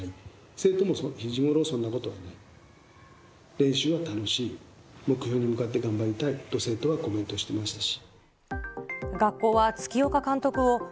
生徒も、日ごろはそんなことはない、練習は楽しい、目標に向かって頑張りたいと生徒はコメントしていましたし。